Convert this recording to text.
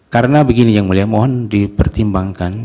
karena begini yang mulia mohon dipertimbangkan